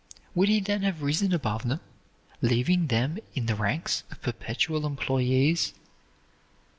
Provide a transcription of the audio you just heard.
Would he then have risen above them, leaving them in the ranks of perpetual employees?